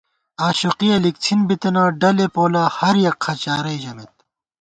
آشوقِیَہ لِکڅِھن بِتنہ ، ڈلے پولہ ہریَک خہ چارَئی ژمېت